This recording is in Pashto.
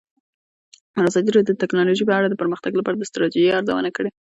ازادي راډیو د اطلاعاتی تکنالوژي په اړه د پرمختګ لپاره د ستراتیژۍ ارزونه کړې.